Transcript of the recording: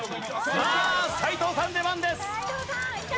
さあ斎藤さん出番です！